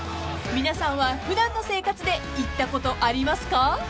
［皆さんは普段の生活で言ったことありますか？］